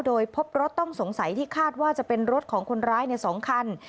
โดยพบรถต้องสงสัยที่คาดว่าจะเป็นรถของคนร้ายใน๒คัน